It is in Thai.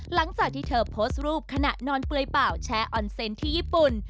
หลังจากที่เธอโพสต์รูปขณะนอนเปลือยเปล่าแชร์ออนเซนต์ที่ญี่ปุ่น